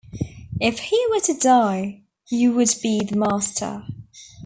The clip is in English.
If he were to die, you would be the master.